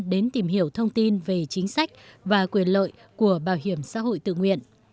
đến tìm hiểu thông tin về chính sách và quyền lợi của bảo hiểm xã hội tự nguyện